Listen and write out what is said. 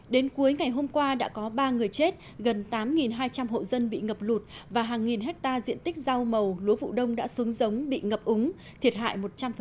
đến cuối ngày hôm qua đã có ba người chết gần tám hai trăm linh hộ dân bị ngập lụt và hàng nghìn hectare diện tích rau màu lúa vụ đông đã xuống giống bị ngập úng thiệt hại một trăm linh